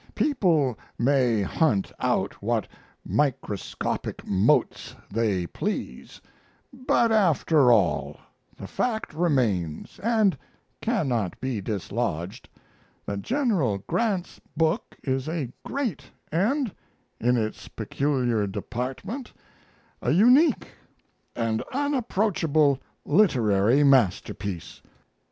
People may hunt out what microscopic motes they please, but, after all, the fact remains, and cannot be dislodged, that General Grant's book is a great and, in its peculiar department, a unique and unapproachable literary masterpiece.